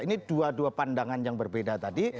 ini dua dua pandangan yang berbeda tadi